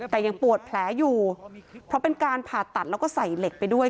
แต่ยังปวดแผลอยู่เพราะเป็นการผ่าตัดแล้วก็ใส่เหล็กไปด้วย